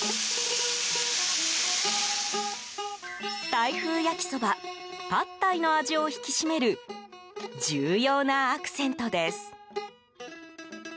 タイ風焼きそばパッタイの味を引き締める重要なアクセントです。